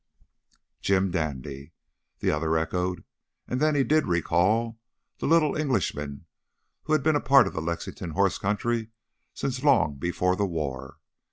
"Jim Dandy ?" the other echoed. And then he did recall the little Englishman who had been a part of the Lexington horse country since long before the war.